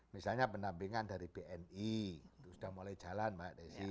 misalnya pendampingan dari bni itu sudah mulai jalan mbak desi